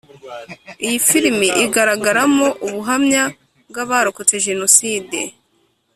Iyi filimi igaragaramo ubuhamya bw’abarokotse Jenoside